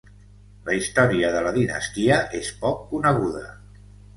La història de la dinastia és poc coneguda.